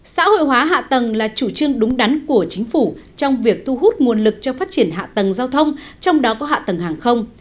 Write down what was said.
xã hội hóa hạ tầng là chủ trương đúng đắn của chính phủ trong việc thu hút nguồn lực cho phát triển hạ tầng giao thông trong đó có hạ tầng hàng không